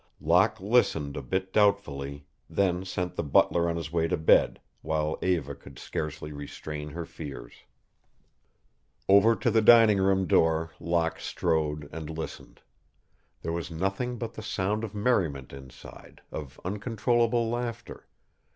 Locke listened a bit doubtfully, then sent the butler on his way to bed, while Eva could scarcely restrain her fears. Over to the dining room door Locke strode and listened. There was nothing but the sound of merriment inside, of uncontrollable laughter.